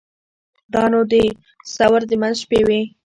دا نو د ثور د منځ شپې وې.